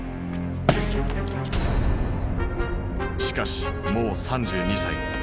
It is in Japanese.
しかしもう３２歳。